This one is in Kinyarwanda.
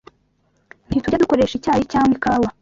Ntitujya dukoresha icyayi cyangwa ikawa